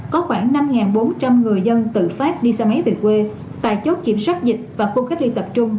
có khoảng năm bốn trăm linh người dân tự phát đi xe máy về quê tại chốt kiểm soát dịch và khu cách ly tập trung